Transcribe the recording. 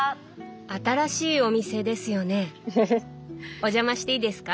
お邪魔していいですか？